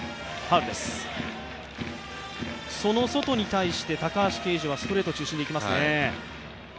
そのソトに対して高橋奎二はストレート中心にいきますね。